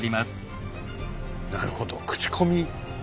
なるほど口コミ。